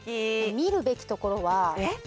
見るべきところは。